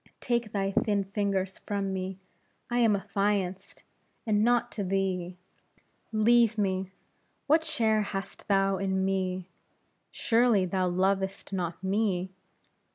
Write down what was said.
Take thy thin fingers from me; I am affianced, and not to thee. Leave me! what share hast thou in me? Surely, thou lovest not me?